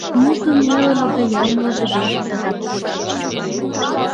Мутын нелыже да ямлыже верым да жапым йодеш.